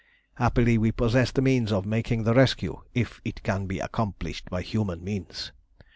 Happily we possess the means of making the rescue, if it can be accomplished by human means.